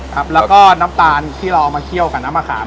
ครับแล้วก็น้ำตาลที่เราเอามาเคี่ยวกับน้ำมะขาม